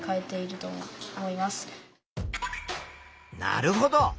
なるほど。